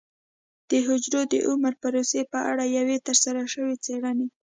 د حجرو د عمر پروسې په اړه یوې ترسره شوې څېړنې